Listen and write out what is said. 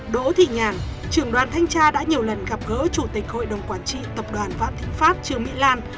đỗ thị nhàn trưởng đoàn thanh tra đã nhiều lần gặp gỡ chủ tịch hội đồng quản trị tập đoàn vạn thịnh pháp trương mỹ lan